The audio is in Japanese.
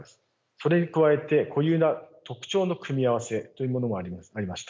それに加えて固有な特徴の組み合わせというものもありました。